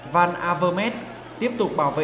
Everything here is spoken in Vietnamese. van avermaet tiếp tục bảo vệ